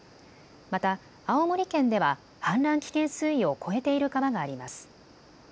また青森県では氾濫危険水位を超えている川があります。